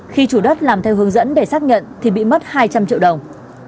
khi chủ đất làm theo hướng dẫn để xác nhận thì bị mất hai trăm linh triệu đồng